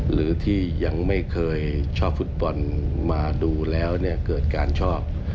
หรือที่ยังไม่เคยชอบฟุตบอลมาดูแล้วเนี่ยเกิดการชอบ